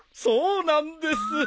そうなんです。